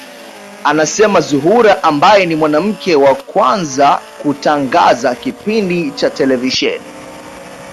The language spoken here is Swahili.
Anasema Zuhura ambaye ni mwanamke wa kwanza kutangaza kipindi cha televisheni